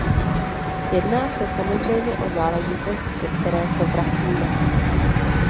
Jedná se samozřejmě o záležitost, ke které se vracíme.